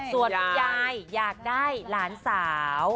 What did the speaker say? ส่วนคุณยายอยากได้หลานสาว